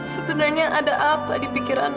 sebenernya ada apa di pikiran mas